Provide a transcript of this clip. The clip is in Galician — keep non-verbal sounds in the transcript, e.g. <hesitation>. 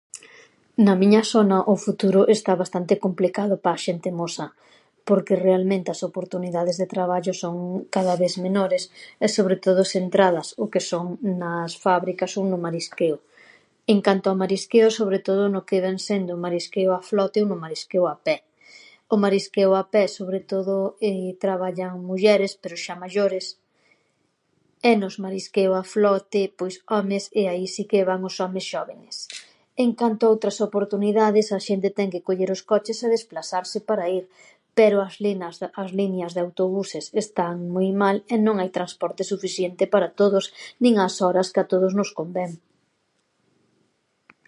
Na miña sona o futuro está bastante complicado pa a xente mosa porque, realmente, as oportunidades de traballo son cada ves menores e, sobre todo, as entradas o que son nas fábricas son no marisqueo. En canto a marisqueo, sobre todo no que vén sendo marisqueo a flote ou no marisqueo a pé. O marisqueo a pé, sobre todo, <hesitation> traballan mulleres, pero xa maiores, e nos marisqueo a flote, pois homes e aí si que van os homes xóvenes. En canto a outras oportunidades, a xente ten que coller os coches e desplasarse para ir, pero as linas, as liñas de autobuses están moi mal e non hai transporte sufisiente para todos, nin ás horas que a todos nos convén.